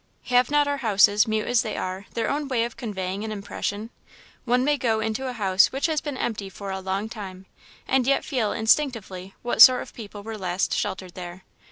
Have not our houses, mute as they are, their own way of conveying an impression? One may go into a house which has been empty for a long time, and yet feel, instinctively, what sort of people were last sheltered there.